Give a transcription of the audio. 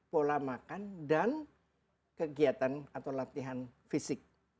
pola makan dan kegiatan atau latihan fisik